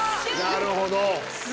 なるほど！